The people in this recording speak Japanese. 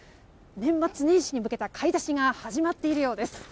年末年始に向けた買い出しが始まっているようです。